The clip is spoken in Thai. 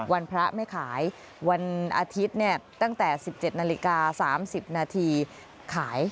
วันพระไม่ขายวันอาทิตย์ตั้งแต่๑๗นาฬิกา๓๐นาทีขาย